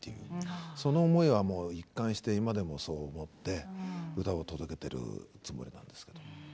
その思いは一貫して今でもそう思って歌を届けているつもりなんです。